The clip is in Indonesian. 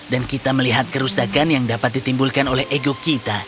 dan kita melihat kerusakan yang dapat ditimbulkan oleh ego kita